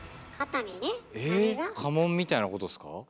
え家紋みたいなことですか？